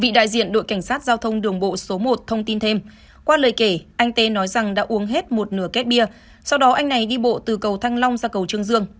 bị đại diện đội cảnh sát giao thông đường bộ số một thông tin thêm qua lời kể anh tê nói rằng đã uống hết một nửa kết bia sau đó anh này đi bộ từ cầu thăng long ra cầu trương dương